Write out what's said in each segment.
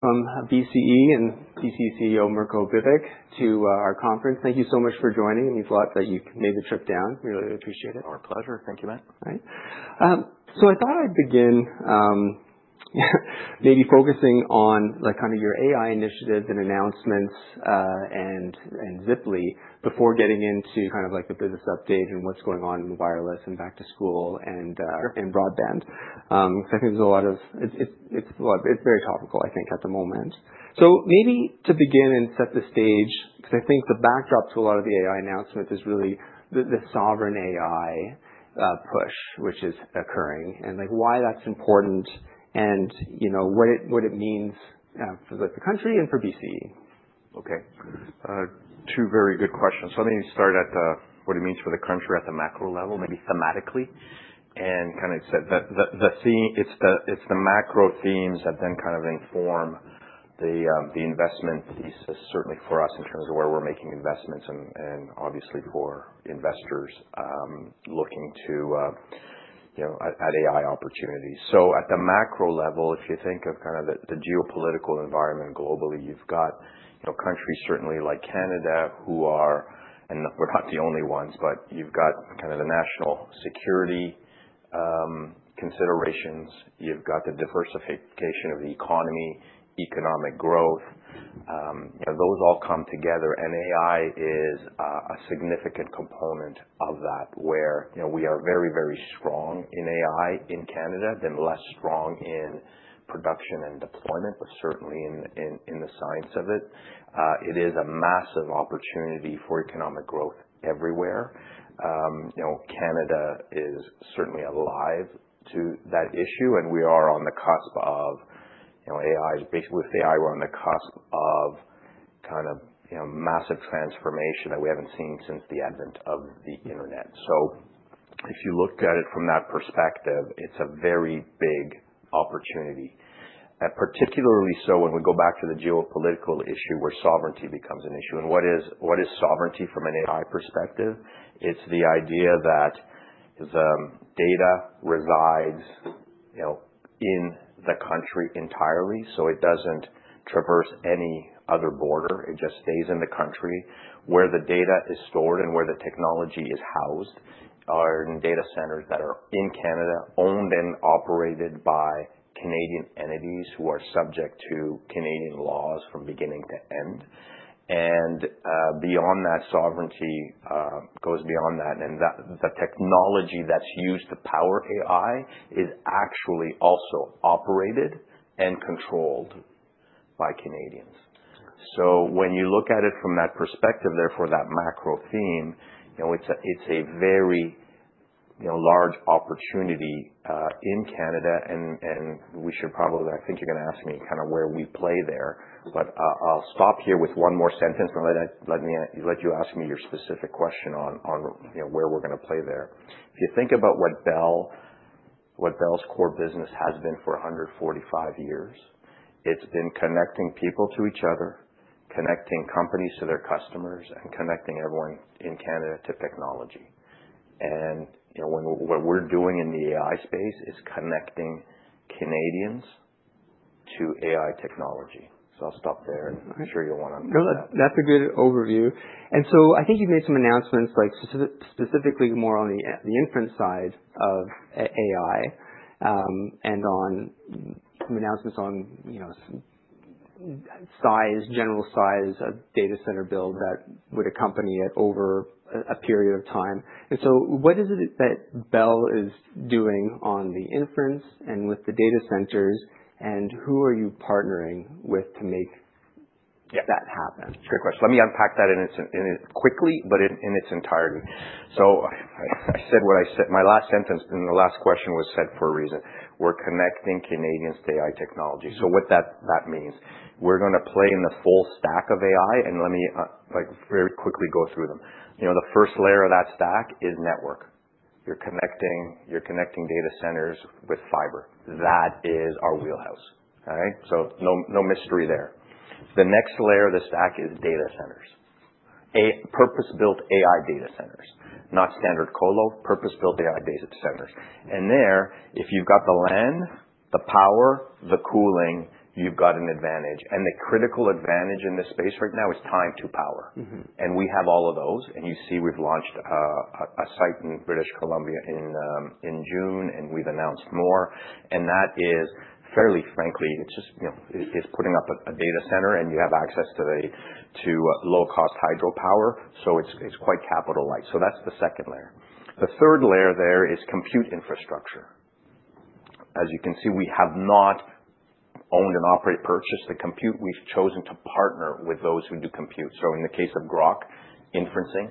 From BCE and BCE CEO Mirko Bibic to our Conference. Thank you so much for joining. It means a lot that you made the trip down. We really appreciate it. Our pleasure. Thank you, Matt. All right. I thought I'd begin maybe focusing on kind of your AI initiatives and announcements and Ziply before getting into kind of the business update and what's going on in wireless and back to school and broadband. I think there's a lot of it's very topical, I think, at the moment. Maybe to begin and set the stage, I think the backdrop to a lot of the AI announcements is really the sovereign AI push, which is occurring, and why that's important and what it means for the country and for BCE. OK. Two very good questions. Let me start at what it means for the country at the macro level, maybe thematically. It is the macro themes that then inform the investment thesis, certainly for us in terms of where we're making investments and obviously for investors looking at AI opportunities. At the macro level, if you think of the geopolitical environment globally, you've got countries certainly like Canada who are, and we're not the only ones, but you've got the national security considerations. You've got the diversification of the economy, economic growth. Those all come together. AI is a significant component of that, where we are very, very strong in AI in Canada, then less strong in production and deployment, but certainly in the science of it. It is a massive opportunity for economic growth everywhere. Canada is certainly alive to that issue. We are on the cusp of AI. With AI, we're on the cusp of kind of massive transformation that we haven't seen since the advent of the internet. If you look at it from that perspective, it's a very big opportunity. Particularly so when we go back to the geopolitical issue where sovereignty becomes an issue. What is sovereignty from an AI perspective? It's the idea that the data resides in the country entirely, so it doesn't traverse any other border. It just stays in the country. Where the data is stored and where the technology is housed are in data centers that are in Canada, owned and operated by Canadian entities who are subject to Canadian laws from beginning to end. Beyond that, sovereignty goes beyond that. The technology that's used to power AI is actually also operated and controlled by Canadians. When you look at it from that perspective, therefore that macro theme, it's a very large opportunity in Canada. We should probably, I think you're going to ask me kind of where we play there. I'll stop here with one more sentence. Let me let you ask me your specific question on where we're going to play there. If you think about what Bell's core business has been for 145 years, it's been connecting people to each other, connecting companies to their customers, and connecting everyone in Canada to technology. What we're doing in the AI space is connecting Canadians to AI technology. I'll stop there. I'm sure you'll want to. No, that's a good overview. I think you've made some announcements, specifically more on the inference side of AI and on some announcements on size, general size of data center build that would accompany it over a period of time. What is it that Bell is doing on the inference and with the data centers? Who are you partnering with to make that happen? That's a good question. Let me unpack that quickly, but in its entirety. I said what I said my last sentence in the last question was said for a reason. We're connecting Canadians to AI Technology. What that means, we're going to play in the full stack of AI. Let me very quickly go through them. The first layer of that stack is network. You're connecting data centers with fiber. That is our wheelhouse. No mystery there. The next layer of the stack is data centers, purpose-built AI data centers, not standard colo, purpose-built AI data centers. There, if you've got the land, the power, the cooling, you've got an advantage. The critical advantage in this space right now is time to power. We have all of those. You see we've launched a site in British Columbia in June. We have announced more. That is, fairly frankly, it's just putting up a data center. You have access to low-cost hydropower, so it's quite capital-light. That is the second layer. The third layer there is compute infrastructure. As you can see, we have not owned and purchased the compute. We have chosen to partner with those who do compute. In the case of Grok, inferencing,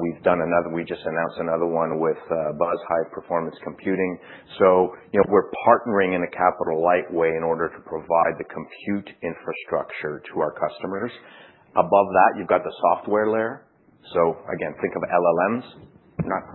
we have done another—we just announced another one with Buzz High Performance Computing. We are partnering in a capital-light way in order to provide the compute infrastructure to our customers. Above that, you have the software layer. Again, think of LLMs. We are not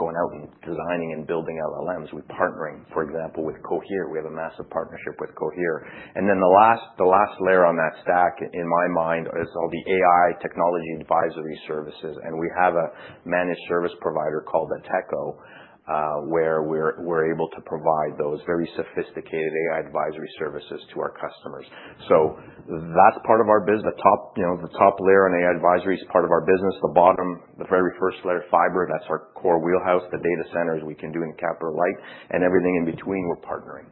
going out and designing and building LLMs. We are partnering, for example, with Cohere. We have a massive partnership with Cohere. The last layer on that stack, in my mind, is all the AI Technology advisory services. We have a managed service provider called Ateko, where we're able to provide those very sophisticated AI advisory services to our customers. That is part of our business. The top layer on AI advisory is part of our business. The bottom, the very first layer, fiber, that is our core wheelhouse. The data centers, we can do in capital-light. Everything in between, we're partnering.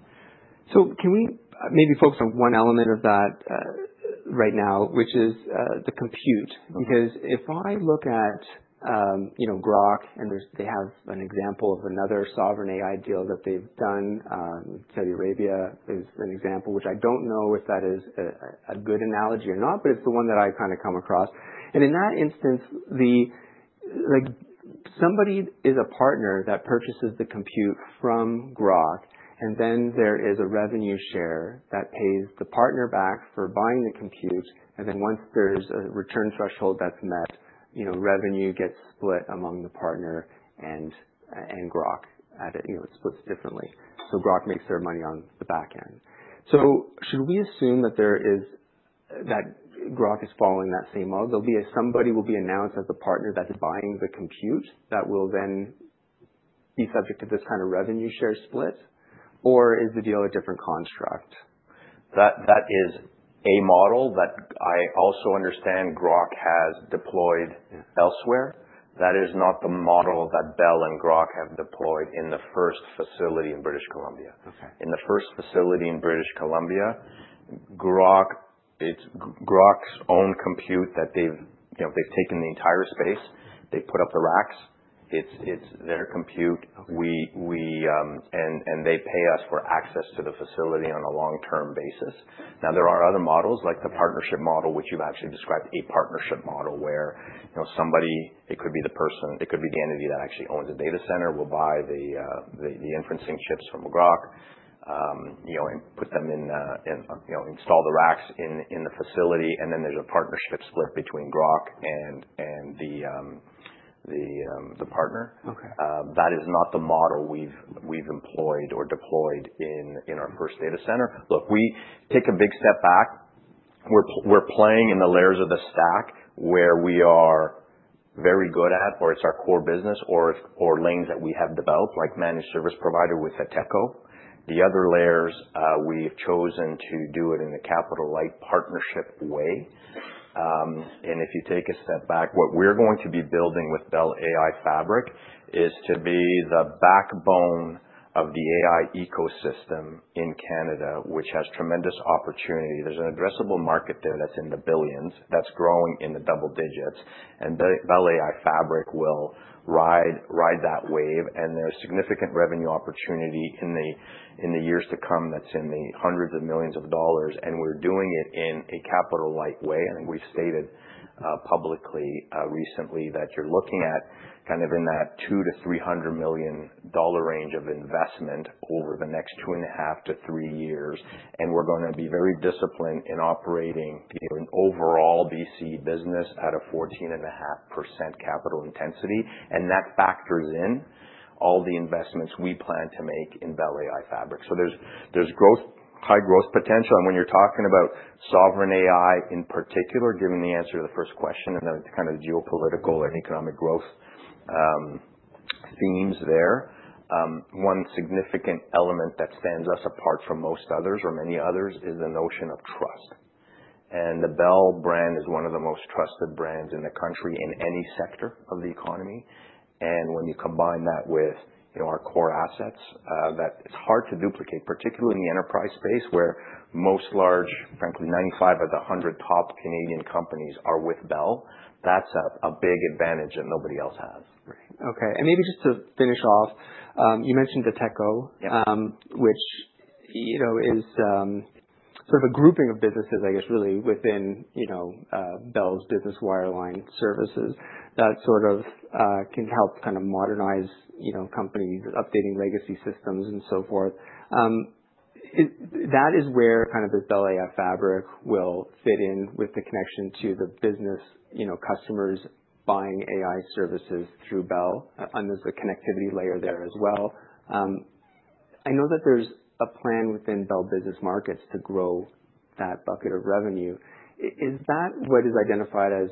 Can we maybe focus on one element of that right now, which is the compute? Because if I look at Grok, and they have an example of another sovereign AI deal that they've done. Saudi Arabia is an example, which I don't know if that is a good analogy or not, but it's the one that I kind of come across. In that instance, somebody is a partner that purchases the compute from Grok. Then there is a revenue share that pays the partner back for buying the compute. Once there's a return threshold that's met, revenue gets split among the partner and Grok. It splits differently. Grok makes their money on the back end. Should we assume that Grok is following that same model? Somebody will be announced as the partner that's buying the compute that will then be subject to this kind of revenue share split? Or is the deal a different construct? That is a model that I also understand Grok has deployed elsewhere. That is not the model that Bell and Grok have deployed in the first facility in British Columbia. In the first facility in British Columbia, Grok's own compute that they've taken the entire space. They put up the racks. It's their compute. They pay us for access to the facility on a long-term basis. Now, there are other models, like the partnership model, which you've actually described, a partnership model, where somebody, it could be the person, it could be the entity that actually owns a data center, will buy the inferencing chips from Grok and install the racks in the facility. There is a partnership split between Grok and the partner. That is not the model we've employed or deployed in our first data center. Look, we take a big step back. We're playing in the layers of the stack where we are very good at, or it's our core business, or lanes that we have developed, like managed service provider with Ateko. The other layers, we've chosen to do it in a capital-light partnership way. If you take a step back, what we're going to be building with Bell AI Fabric is to be the backbone of the AI ecosystem in Canada, which has tremendous opportunity. There's an addressable market there that's in the billions, that's growing in the double digits. Bell AI Fabric will ride that wave. There's significant revenue opportunity in the years to come that's in the hundreds of millions of dollars. We're doing it in a capital-light way. We have stated publicly recently that you are looking at kind of in that $200 million-$300 million range of investment over the next two and a half to three years. We are going to be very disciplined in operating an overall BCE business at a 14.5% capital intensity. That factors in all the investments we plan to make in Bell AI Fabric. There is high growth potential. When you are talking about sovereign AI in particular, given the answer to the first question and the kind of geopolitical and economic growth themes there, one significant element that stands us apart from most others or many others is the notion of trust. The Bell brand is one of the most trusted brands in the country in any sector of the economy. When you combine that with our core assets, that it's hard to duplicate, particularly in the enterprise space, where most large, frankly, 95 of the 100 top Canadian companies are with Bell. That's a big advantage that nobody else has. OK. Maybe just to finish off, you mentioned Ateko, which is sort of a grouping of businesses, I guess, really, within Bell's business wireline services that sort of can help kind of modernize companies, updating legacy systems, and so forth. That is where kind of this Bell AI Fabric will fit in with the connection to the business customers buying AI services through Bell. There is a connectivity layer there as well. I know that there is a plan within Bell Business Markets to grow that bucket of revenue. Is that what is identified as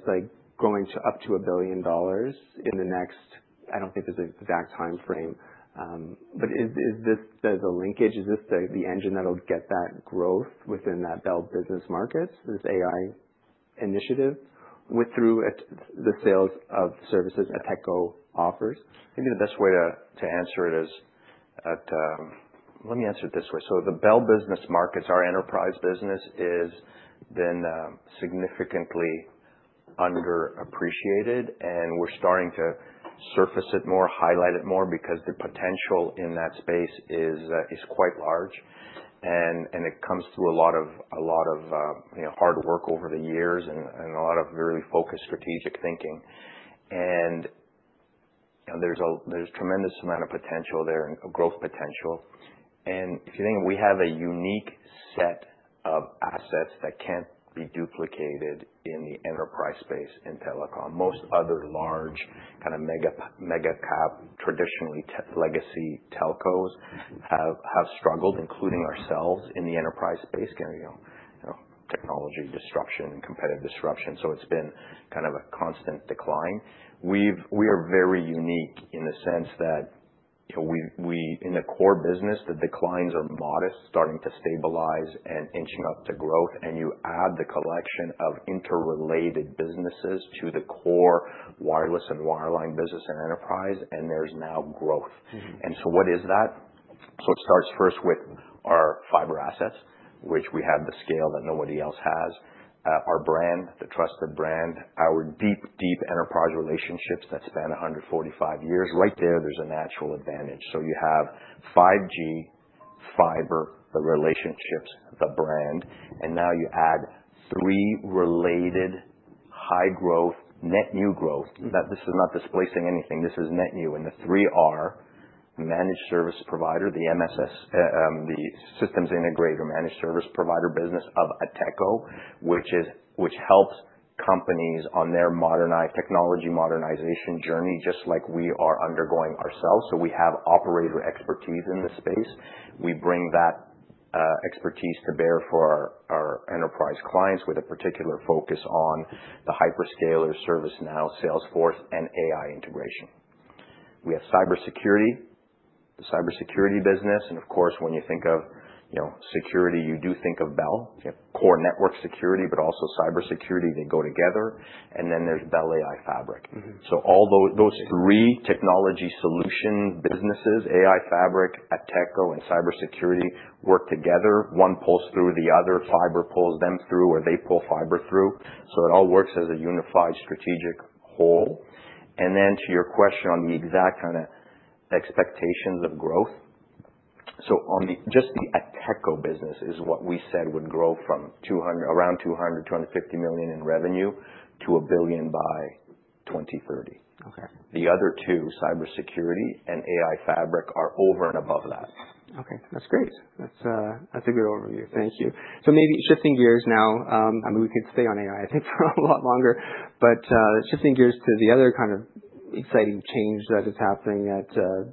growing to up to $1 billion in the next I do not think there is an exact time frame. Is this the linkage? Is this the engine that will get that growth within that Bell Business Markets, this AI initiative through the sales of services Ateko offers? Maybe the best way to answer it is let me answer it this way. The Bell Business Markets, our enterprise business, has been significantly underappreciated. We are starting to surface it more, highlight it more, because the potential in that space is quite large. It comes through a lot of hard work over the years and a lot of really focused strategic thinking. There is a tremendous amount of potential there and growth potential. If you think we have a unique set of assets that cannot be duplicated in the enterprise space in telecom. Most other large kind of mega-cap, traditionally legacy telcos have struggled, including ourselves, in the enterprise space, technology disruption and competitive disruption. It has been kind of a constant decline. We are very unique in the sense that in the core business, the declines are modest, starting to stabilize and inching up to growth. You add the collection of interrelated businesses to the core wireless and wireline business and enterprise. There is now growth. What is that? It starts first with our fiber assets, which we have the scale that nobody else has, our brand, the trusted brand, our deep, deep enterprise relationships that span 145 years. Right there, there is a natural advantage. You have 5G, fiber, the relationships, the brand. You add three related high growth, net new growth. This is not displacing anything. This is net new. The three are managed service provider, the systems integrator, managed service provider business of Ateko, which helps companies on their technology modernization journey, just like we are undergoing ourselves. We have operator expertise in the space. We bring that expertise to bear for our enterprise clients with a particular focus on the hyperscaler ServiceNow, Salesforce, and AI integration. We have cybersecurity, the cybersecurity business. Of course, when you think of security, you do think of Bell. You have core network security, but also cybersecurity. They go together. There is Bell AI Fabric. All those three technology solution businesses, AI Fabric, Ateko, and cybersecurity work together. One pulls through the other. Fiber pulls them through, or they pull fiber through. It all works as a unified strategic whole. To your question on the exact kind of expectations of growth, just the Ateko business is what we said would grow from around $200 million-$250 million in revenue to $1 billion by 2030. The other two, cybersecurity and AI Fabric, are over and above that. OK. That's great. That's a good overview. Thank you. Maybe shifting gears now. I mean, we could stay on AI, I think, for a lot longer. Shifting gears to the other kind of exciting change that is happening at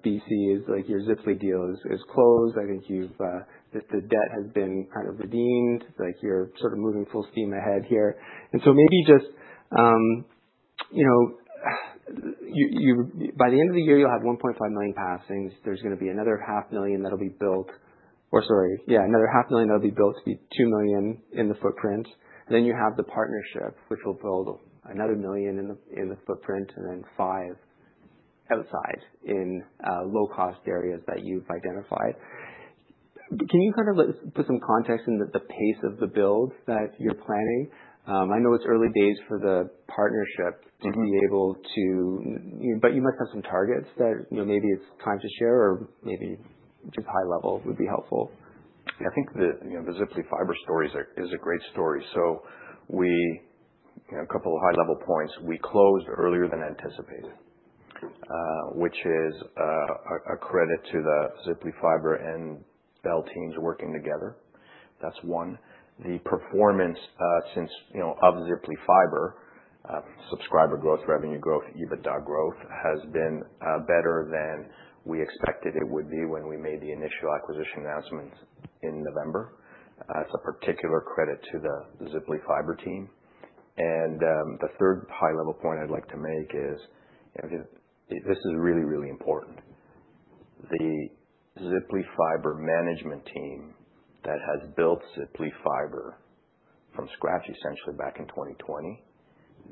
BCE is your Ziply deal is closed. I think the debt has been kind of redeemed. You're sort of moving full steam ahead here. Maybe just by the end of the year, you'll have 1.5 million passing. There's going to be another 500,000 that'll be built. Or sorry, yeah, another 500,000 that'll be built to be 2 million in the footprint. You have the partnership, which will build another 1 million in the footprint and then 5 million outside in low-cost areas that you've identified. Can you kind of put some context in the pace of the build that you're planning? I know it's early days for the partnership to be able to, but you must have some targets that maybe it's time to share or maybe just high level would be helpful. I think the Ziply Fiber story is a great story. A couple of high-level points. We closed earlier than anticipated, which is a credit to the Ziply Fiber and Bell teams working together. That is one. The performance of Ziply Fiber, subscriber growth, revenue growth, EBITDA growth has been better than we expected it would be when we made the initial acquisition announcements in November. That is a particular credit to the Ziply Fiber team. The third high-level point I would like to make is this is really, really important. The Ziply Fiber management team that has built Ziply Fiber from scratch, essentially, back in 2020,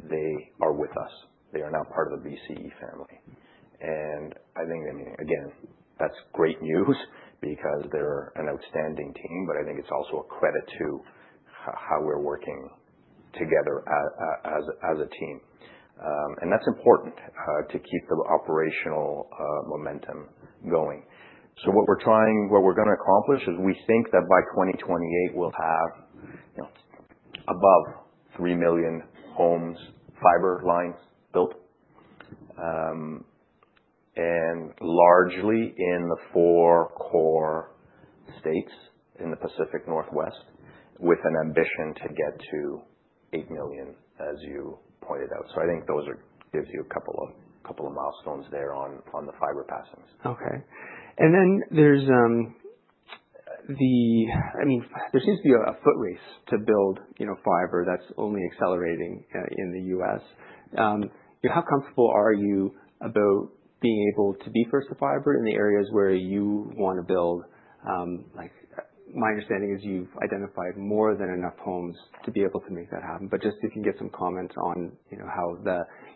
they are with us. They are now part of the BCE family. I think, again, that is great news because they are an outstanding team. I think it is also a credit to how we are working together as a team. That's important to keep the operational momentum going. What we're trying, what we're going to accomplish is we think that by 2028, we'll have above 3 million homes, fiber lines built, largely in the four core states in the Pacific Northwest, with an ambition to get to 8 million, as you pointed out. I think those give you a couple of milestones there on the fiber passings. OK. I mean, there seems to be a footrace to build fiber that's only accelerating in the U.S. How comfortable are you about being able to be first to fiber in the areas where you want to build? My understanding is you've identified more than enough homes to be able to make that happen. Just if you can get some comments on how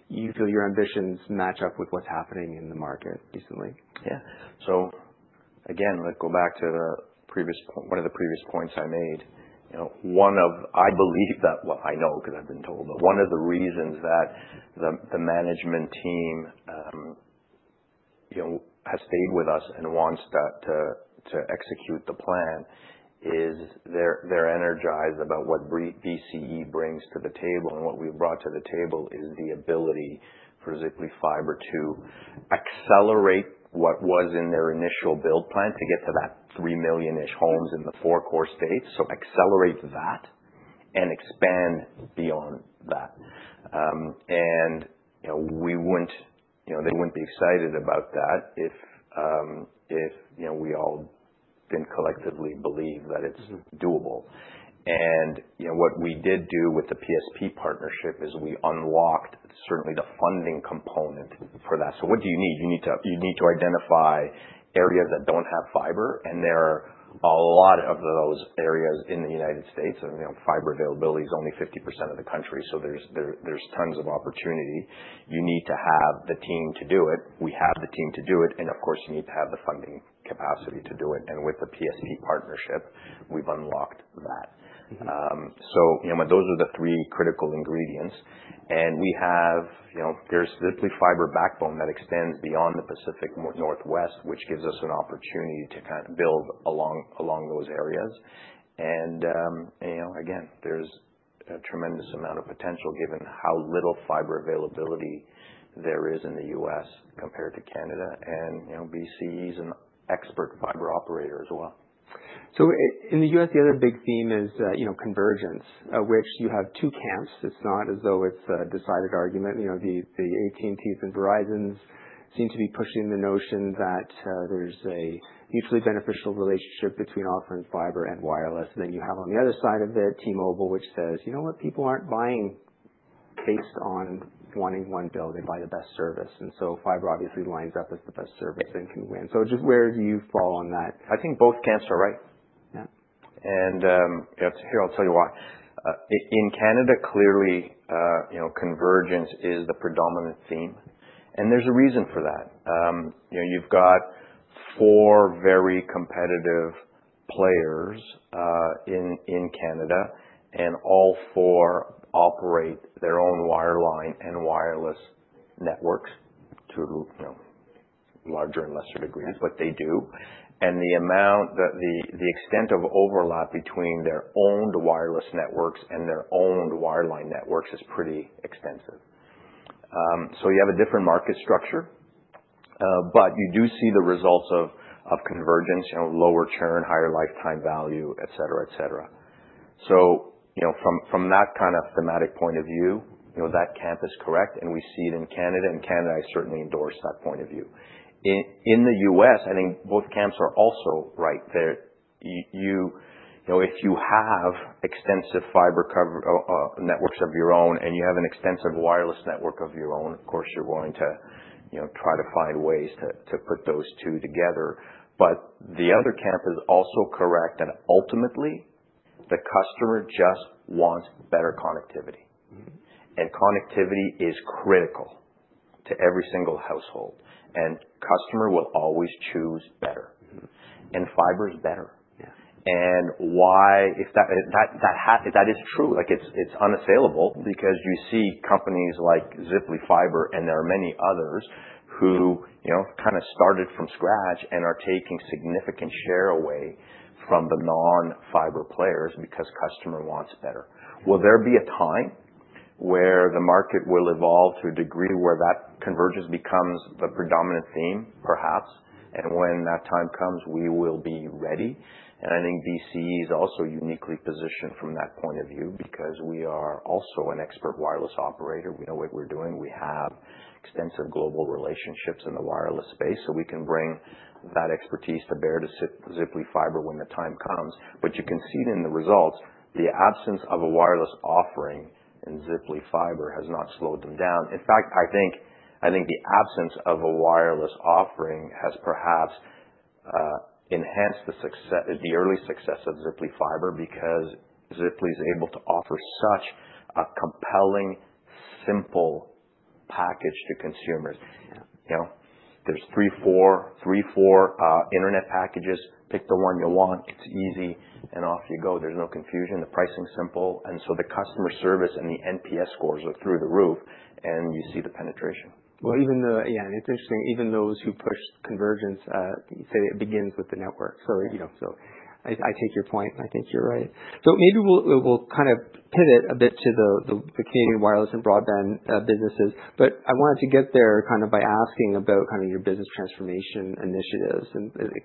you feel your ambitions match up with what's happening in the market recently. Yeah. Again, let's go back to one of the previous points I made. I believe that I know because I've been told. One of the reasons that the management team has stayed with us and wants to execute the plan is they're energized about what BCE brings to the table. What we've brought to the table is the ability for Ziply Fiber to accelerate what was in their initial build plan to get to that $3 million-ish homes in the four core states, accelerate that and expand beyond that. They wouldn't be excited about that if we all didn't collectively believe that it's doable. What we did do with the PSP partnership is we unlocked, certainly, the funding component for that. What do you need? You need to identify areas that don't have fiber. There are a lot of those areas in the U.S. Fiber availability is only 50% of the country. There is tons of opportunity. You need to have the team to do it. We have the team to do it. Of course, you need to have the funding capacity to do it. With the PSP partnership, we have unlocked that. Those are the three critical ingredients. There is the Ziply Fiber backbone that extends beyond the Pacific Northwest, which gives us an opportunity to kind of build along those areas. There is a tremendous amount of potential given how little fiber availability there is in the U.S. compared to Canada. BCE is an expert fiber operator as well. In the U.S., the other big theme is convergence, which you have two camps. It's not as though it's a decided argument. The AT&Ts and Verizon's seem to be pushing the notion that there's a mutually beneficial relationship between offline fiber and wireless. You have on the other side of it T-Mobile, which says, you know what? People aren't buying based on wanting one bill. They buy the best service. Fiber obviously lines up as the best service and can win. Just where do you fall on that? I think both camps are right. Yeah. Here, I'll tell you why. In Canada, clearly, convergence is the predominant theme. There's a reason for that. You've got four very competitive players in Canada. All four operate their own wireline and wireless networks to a larger and lesser degree. That's what they do. The extent of overlap between their own wireless networks and their own wireline networks is pretty extensive. You have a different market structure. You do see the results of convergence, lower churn, higher lifetime value, et cetera, et cetera. From that kind of thematic point of view, that camp is correct. We see it in Canada. In Canada, I certainly endorse that point of view. In the U.S., I think both camps are also right. If you have extensive fiber networks of your own and you have an extensive wireless network of your own, of course, you're going to try to find ways to put those two together. The other camp is also correct that ultimately, the customer just wants better connectivity. Connectivity is critical to every single household. Customer will always choose better. Fiber is better. That is true. It's unassailable because you see companies like Ziply Fiber and there are many others who kind of started from scratch and are taking significant share away from the non-fiber players because customer wants better. Will there be a time where the market will evolve to a degree where that convergence becomes the predominant theme, perhaps? When that time comes, we will be ready. I think BCE is also uniquely positioned from that point of view because we are also an expert wireless operator. We know what we're doing. We have extensive global relationships in the wireless space. We can bring that expertise to bear to Ziply Fiber when the time comes. You can see it in the results. The absence of a wireless offering in Ziply Fiber has not slowed them down. In fact, I think the absence of a wireless offering has perhaps enhanced the early success of Ziply Fiber because Ziply is able to offer such a compelling, simple package to consumers. There are three, four internet packages. Pick the one you want. It's easy. Off you go. There is no confusion. The pricing is simple. The customer service and the NPS scores are through the roof. You see the penetration. Yeah, it's interesting. Even those who push convergence, you say it begins with the network. I take your point. I think you're right. Maybe we'll kind of pivot a bit to the Canadian wireless and broadband businesses. I wanted to get there kind of by asking about kind of your business transformation initiatives,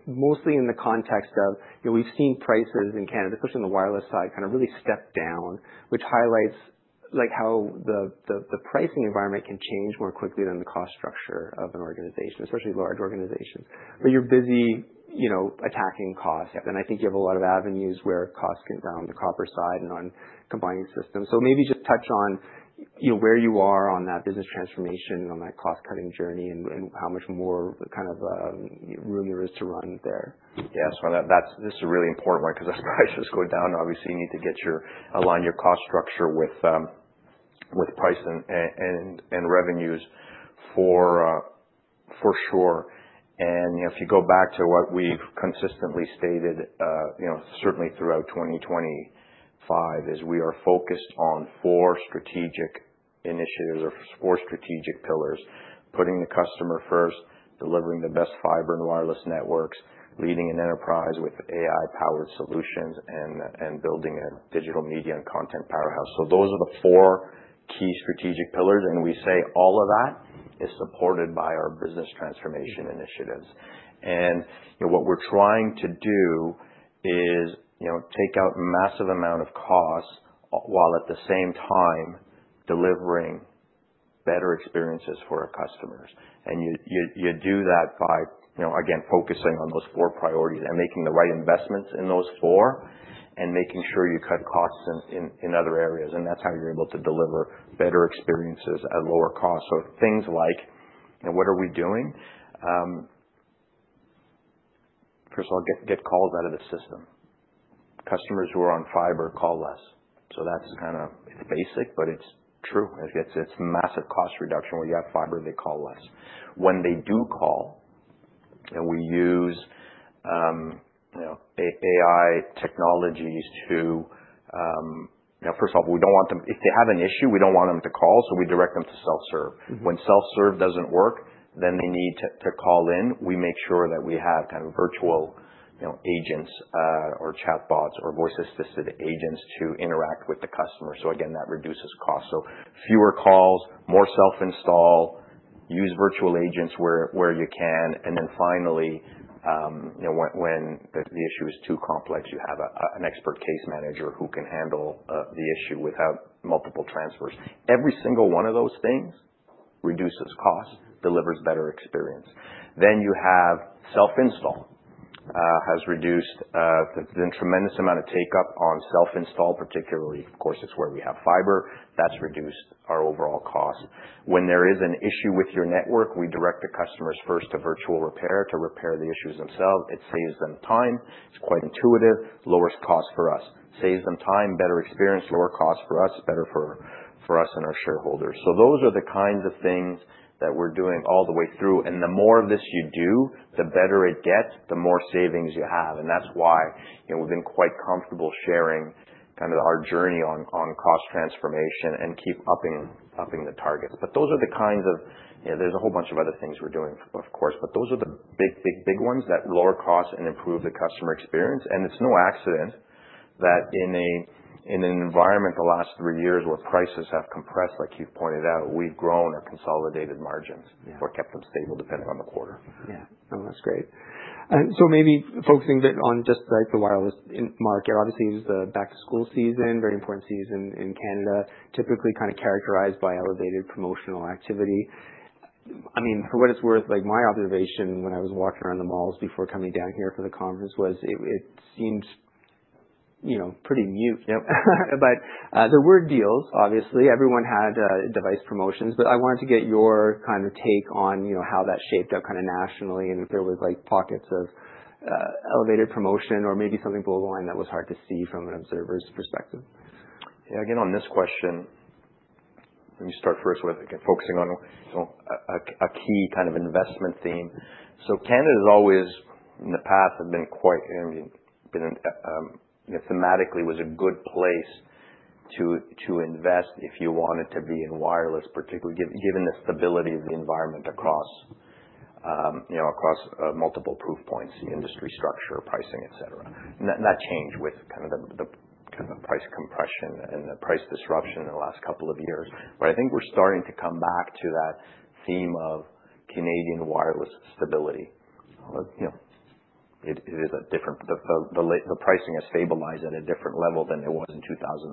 mostly in the context of we've seen prices in Canada, especially on the wireless side, kind of really step down, which highlights how the pricing environment can change more quickly than the cost structure of an organization, especially large organizations. You're busy attacking cost. I think you have a lot of avenues where costs can round the copper side and on combining systems. Maybe just touch on where you are on that business transformation, on that cost-cutting journey, and how much more kind of room there is to run there. Yeah. This is a really important one because as prices go down, obviously, you need to align your cost structure with price and revenues for sure. If you go back to what we've consistently stated, certainly throughout 2025, we are focused on four strategic initiatives or four strategic pillars: putting the customer first, delivering the best fiber and wireless networks, leading an enterprise with AI-powered solutions, and building a digital media and content powerhouse. Those are the four key strategic pillars. We say all of that is supported by our business transformation initiatives. What we're trying to do is take out a massive amount of cost while at the same time delivering better experiences for our customers. You do that by, again, focusing on those four priorities and making the right investments in those four and making sure you cut costs in other areas. That is how you are able to deliver better experiences at lower cost. Things like, what are we doing? First of all, get calls out of the system. Customers who are on fiber call less. That is kind of basic, but it is true. It is a massive cost reduction where you have fiber, they call less. When they do call, we use AI technologies to, first of all, if they have an issue, we do not want them to call. We direct them to self-serve. When self-serve does not work, they need to call in. We make sure that we have kind of virtual agents or chatbots or voice-assisted agents to interact with the customer. That reduces cost. Fewer calls, more self-install, use virtual agents where you can. Finally, when the issue is too complex, you have an expert case manager who can handle the issue without multiple transfers. Every single one of those things reduces cost, delivers better experience. You have self-install has reduced the tremendous amount of take-up on self-install, particularly, of course, it's where we have fiber. That has reduced our overall cost. When there is an issue with your network, we direct the customers first to virtual repair to repair the issues themselves. It saves them time. It's quite intuitive, lowers cost for us, saves them time, better experience, lower cost for us, better for us and our shareholders. Those are the kinds of things that we're doing all the way through. The more of this you do, the better it gets, the more savings you have. That is why we've been quite comfortable sharing kind of our journey on cost transformation and keep upping the targets. Those are the kinds of, there is a whole bunch of other things we're doing, of course. Those are the big, big, big ones that lower cost and improve the customer experience. It is no accident that in an environment the last three years where prices have compressed, like you've pointed out, we've grown our consolidated margins or kept them stable depending on the quarter. Yeah. No, that's great. Maybe focusing a bit on just the wireless market. Obviously, it was the back-to-school season, very important season in Canada, typically kind of characterized by elevated promotional activity. I mean, for what it's worth, my observation when I was walking around the malls before coming down here for the conference was it seemed pretty mute. There were deals, obviously. Everyone had device promotions. I wanted to get your kind of take on how that shaped up kind of nationally and if there were pockets of elevated promotion or maybe something borderline that was hard to see from an observer's perspective. Yeah. Again, on this question, let me start first with focusing on a key kind of investment theme. Canada has always, in the past, been quite thematically a good place to invest if you wanted to be in wireless, particularly given the stability of the environment across multiple proof points, industry structure, pricing, et cetera. That changed with kind of the price compression and the price disruption in the last couple of years. I think we're starting to come back to that theme of Canadian wireless stability. It is different. The pricing has stabilized at a different level than it was in 2019.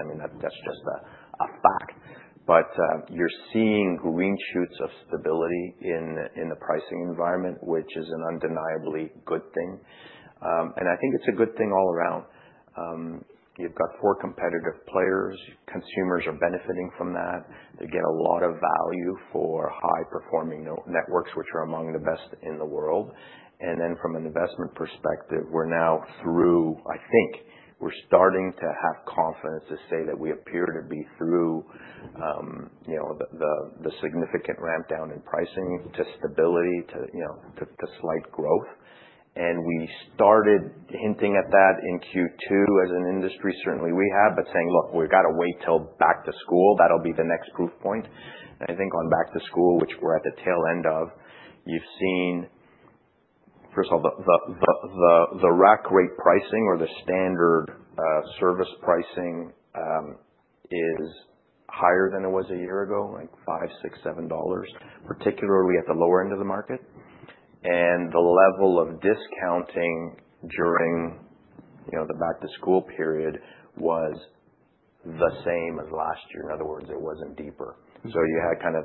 I mean, that's just a fact. You're seeing green shoots of stability in the pricing environment, which is an undeniably good thing. I think it's a good thing all around. You've got four competitive players. Consumers are benefiting from that. They get a lot of value for high-performing networks, which are among the best in the world. From an investment perspective, we're now through. I think we're starting to have confidence to say that we appear to be through the significant ramp-down in pricing to stability to slight growth. We started hinting at that in Q2 as an industry. Certainly, we have. Saying, look, we've got to wait till back-to-school. That will be the next proof point. I think on back-to-school, which we're at the tail end of, you've seen, first of all, the rack rate pricing or the standard service pricing is higher than it was a year ago, like $5, $6, $7, particularly at the lower end of the market. The level of discounting during the back-to-school period was the same as last year. In other words, it was not deeper. You had kind of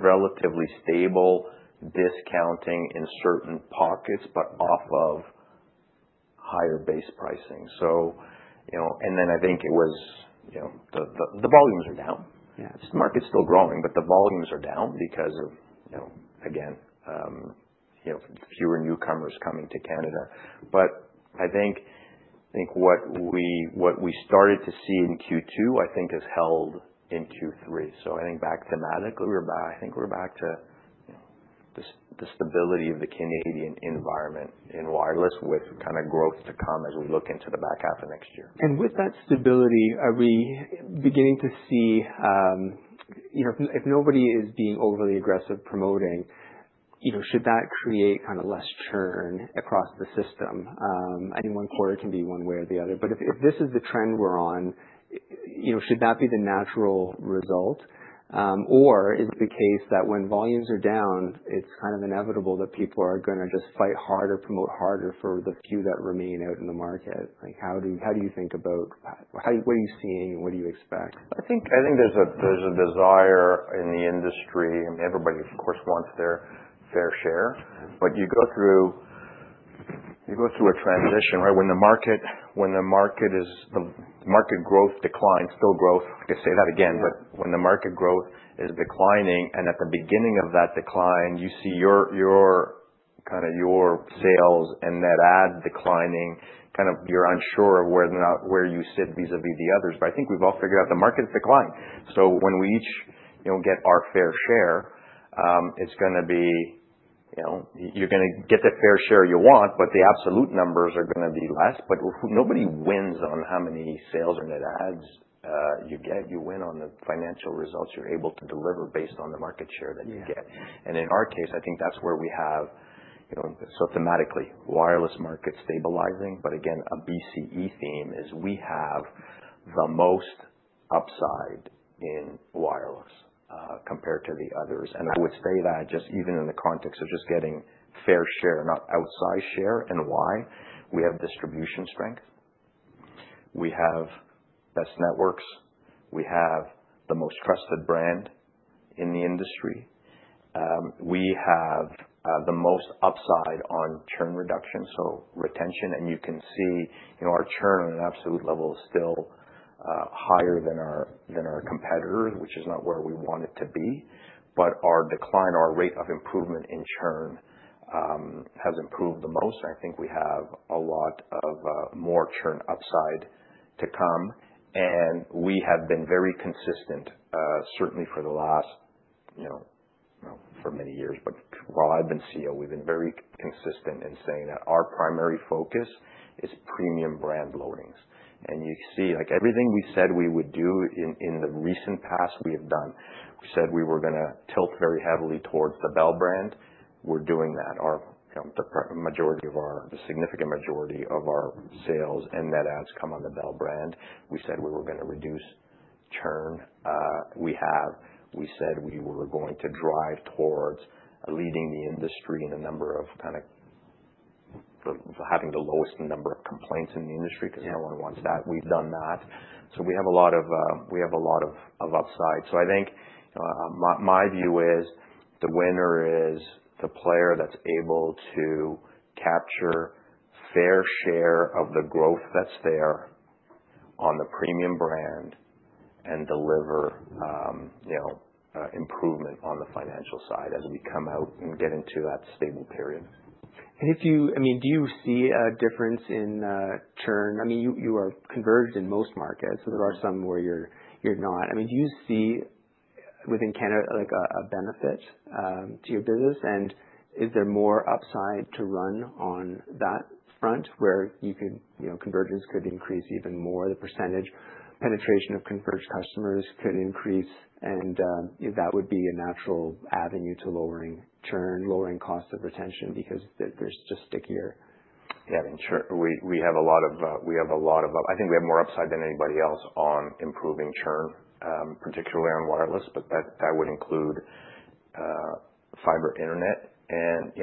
relatively stable discounting in certain pockets, but off of higher base pricing. I think it was the volumes are down. The market's still growing, but the volumes are down because of, again, fewer newcomers coming to Canada. I think what we started to see in Q2, I think, has held in Q3. I think back thematically, I think we're back to the stability of the Canadian environment in wireless with kind of growth to come as we look into the back half of next year. With that stability, are we beginning to see if nobody is being overly aggressive promoting, should that create kind of less churn across the system? I think one quarter can be one way or the other. If this is the trend we're on, should that be the natural result? Is it the case that when volumes are down, it's kind of inevitable that people are going to just fight harder, promote harder for the few that remain out in the market? How do you think about what are you seeing and what do you expect? I think there's a desire in the industry. I mean, everybody, of course, wants their fair share. You go through a transition, right? When the market growth declines, still growth, I could say that again, but when the market growth is declining and at the beginning of that decline, you see kind of your sales and net ad declining, kind of you're unsure of where you sit vis-à-vis the others. I think we've all figured out the market's decline. When we each get our fair share, it's going to be you're going to get the fair share you want, but the absolute numbers are going to be less. Nobody wins on how many sales or net ads you get. You win on the financial results you're able to deliver based on the market share that you get. In our case, I think that's where we have systematically wireless market stabilizing. A BCE theme is we have the most upside in wireless compared to the others. I would say that just even in the context of just getting fair share, not outside share, and why? We have distribution strength. We have best networks. We have the most trusted brand in the industry. We have the most upside on churn reduction, so retention. You can see our churn on an absolute level is still higher than our competitors, which is not where we want it to be. Our decline, our rate of improvement in churn has improved the most. I think we have a lot of more churn upside to come. We have been very consistent, certainly for the last, for many years. While I've been CEO, we've been very consistent in saying that our primary focus is premium brand loadings. You see everything we said we would do in the recent past, we have done. We said we were going to tilt very heavily towards the Bell brand. We're doing that. The significant majority of our sales and net ads come on the Bell brand. We said we were going to reduce churn. We said we were going to drive towards leading the industry in a number of kind of having the lowest number of complaints in the industry because no one wants that. We've done that. We have a lot of upside. I think my view is the winner is the player that's able to capture fair share of the growth that's there on the premium brand and deliver improvement on the financial side as we come out and get into that stable period. I mean, do you see a difference in churn? I mean, you are converged in most markets. There are some where you're not. I mean, do you see within Canada a benefit to your business? Is there more upside to run on that front where convergence could increase even more? The percentage penetration of converged customers could increase. That would be a natural avenue to lowering churn, lowering cost of retention because they're just stickier. Yeah. I mean, we have a lot of, we have a lot of, I think we have more upside than anybody else on improving churn, particularly on wireless. That would include fiber internet.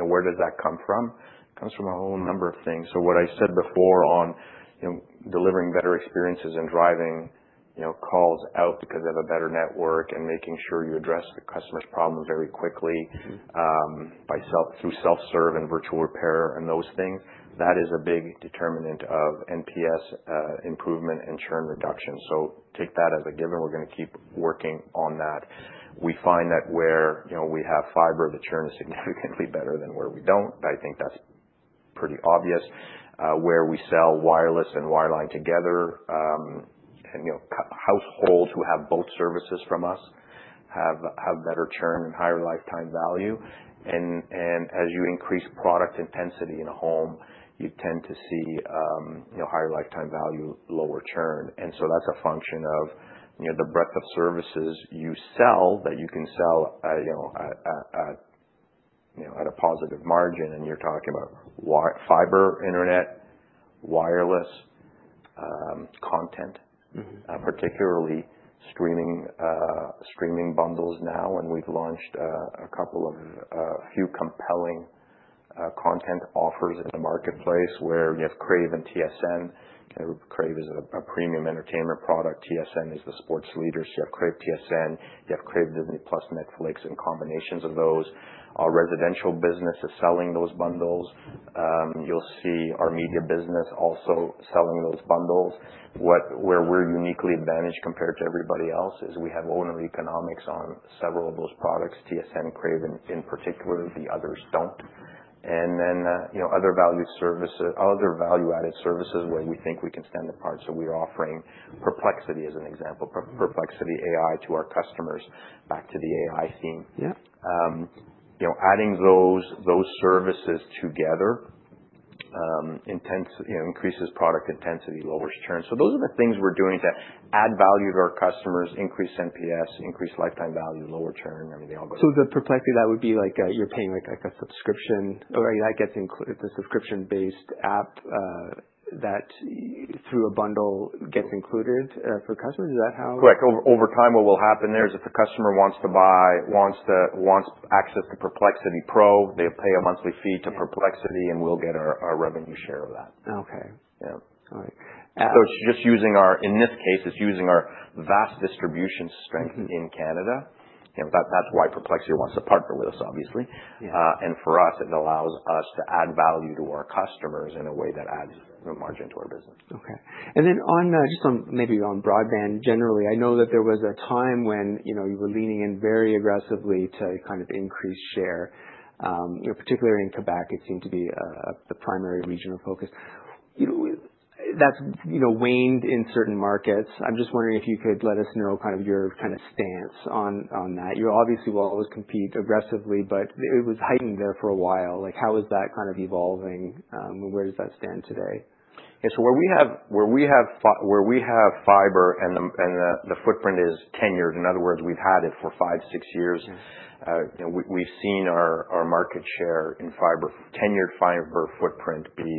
Where does that come from? It comes from a whole number of things. What I said before on delivering better experiences and driving calls out because they have a better network and making sure you address the customer's problem very quickly through self-serve and virtual repair and those things, that is a big determinant of NPS improvement and churn reduction. Take that as a given. We're going to keep working on that. We find that where we have fiber, the churn is significantly better than where we don't. I think that's pretty obvious. Where we sell wireless and wireline together, households who have both services from us have better churn and higher lifetime value. As you increase product intensity in a home, you tend to see higher lifetime value, lower churn. That is a function of the breadth of services you sell that you can sell at a positive margin. You are talking about fiber, internet, wireless, content, particularly streaming bundles now. We have launched a couple of few compelling content offers in the marketplace where you have Crave and TSN. Crave is a premium entertainment product. TSN is the sports leader. You have Crave, TSN. You have Crave, Disney Plus, Netflix, and combinations of those. Our residential business is selling those bundles. You will see our media business also selling those bundles. Where we're uniquely advantaged compared to everybody else is we have owner economics on several of those products, TSN, Crave in particular. The others don't. Then other value-added services where we think we can stand apart. We're offering Perplexity as an example, Perplexity AI to our customers, back to the AI theme. Adding those services together increases product intensity, lowers churn. Those are the things we're doing to add value to our customers, increase NPS, increase lifetime value, lower churn. I mean, they all go together. The Perplexity, that would be like you're paying like a subscription, or that gets the subscription-based app that through a bundle gets included for customers? Is that how? Correct. Over time, what will happen there is if the customer wants to buy, wants access to Perplexity Pro, they'll pay a monthly fee to Perplexity, and we'll get our revenue share of that. Okay. All right. It is just using our, in this case, it is using our vast distribution strength in Canada. That is why Perplexity wants to partner with us, obviously. For us, it allows us to add value to our customers in a way that adds margin to our business. Okay. Just maybe on broadband generally, I know that there was a time when you were leaning in very aggressively to kind of increase share, particularly in Quebec. It seemed to be the primary region of focus. That has waned in certain markets. I am just wondering if you could let us know your kind of stance on that. You obviously will always compete aggressively, but it was heightened there for a while. How is that evolving? Where does that stand today? Yeah. Where we have fiber and the footprint is 10 years, in other words, we've had it for five, six years, we've seen our market share in tenured fiber footprint be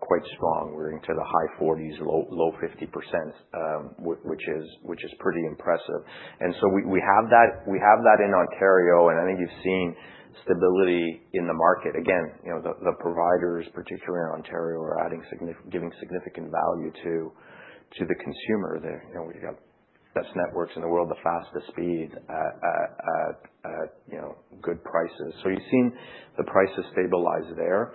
quite strong. We're into the high 40s, low 50%, which is pretty impressive. We have that in Ontario, and I think you've seen stability in the market. The providers, particularly in Ontario, are giving significant value to the consumer there. We've got the best networks in the world, the fastest speed at good prices. You've seen the prices stabilize there.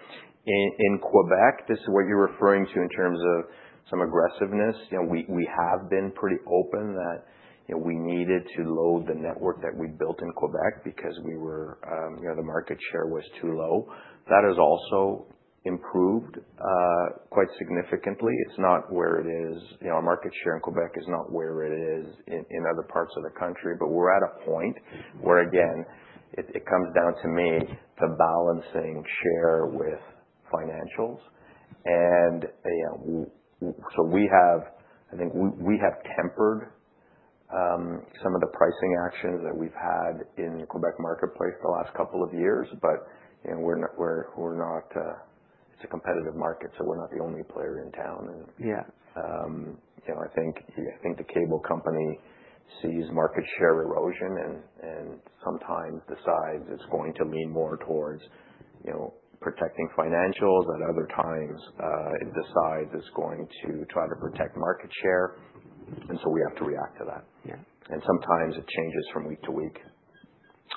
In Quebec, this is what you're referring to in terms of some aggressiveness. We have been pretty open that we needed to load the network that we built in Quebec because the market share was too low. That has also improved quite significantly. It's not where it is. Our market share in Quebec is not where it is in other parts of the country. We are at a point where, again, it comes down to me to balancing share with financials. I think we have tempered some of the pricing actions that we have had in the Quebec marketplace the last couple of years. It is a competitive market, so we are not the only player in town. I think the cable company sees market share erosion and sometimes decides it is going to lean more towards protecting financials. At other times, it decides it is going to try to protect market share. We have to react to that. Sometimes it changes from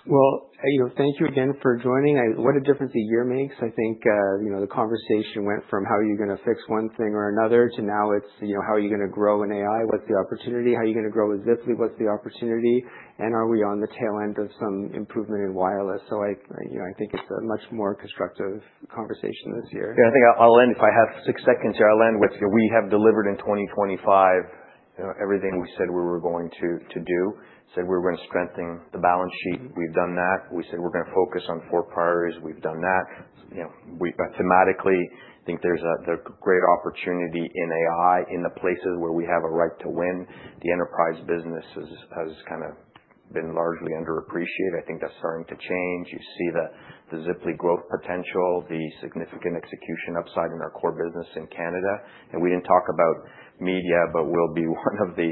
week-to-week. Thank you again for joining. What a difference a year makes. I think the conversation went from how are you going to fix one thing or another to now it's how are you going to grow in AI? What's the opportunity? How are you going to grow with Ziply? What's the opportunity? Are we on the tail end of some improvement in wireless? I think it's a much more constructive conversation this year. Yeah. I think I'll end if I have six seconds here. I'll end with we have delivered in 2025 everything we said we were going to do. Said we were going to strengthen the balance sheet. We've done that. We said we're going to focus on four priorities. We've done that. Thematically, I think there's a great opportunity in AI in the places where we have a right to win. The enterprise business has kind of been largely underappreciated. I think that's starting to change. You see the Ziply growth potential, the significant execution upside in our core business in Canada. We didn't talk about media, but we'll be one of the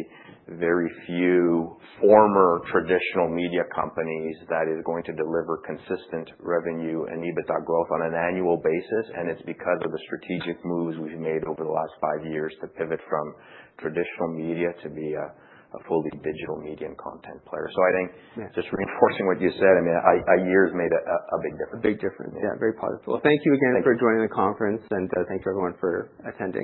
very few former traditional media companies that is going to deliver consistent revenue and EBITDA growth on an annual basis. It is because of the strategic moves we've made over the last five years to pivot from traditional media to be a fully digital media and content player. I think just reinforcing what you said, I mean, a year has made a big difference. A big difference. Yeah. Very positive. Thank you again for joining the conference, and thank you everyone for attending.